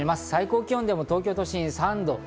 最高気温でも東京都３度。